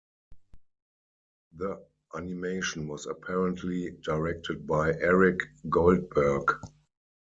The animation was apparently directed by Eric Goldberg.